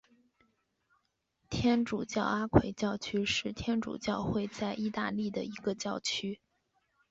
天主教阿奎教区是天主教会在义大利的一个教区。